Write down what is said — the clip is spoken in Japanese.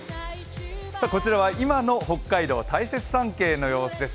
こちらは今の北海道、大雪山系の様子です。